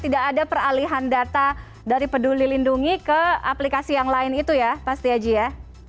tidak ada peralihan data dari peduli lindungi ke aplikasi yang lain itu ya pak setiaji ya